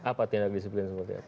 apa tindak disiplin seperti apa